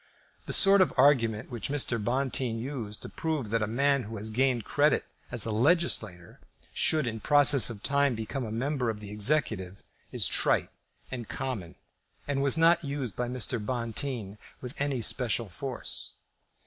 The sort of argument which Mr. Bonteen used to prove that a man who has gained credit as a legislator should in process of time become a member of the executive, is trite and common, and was not used by Mr. Bonteen with any special force.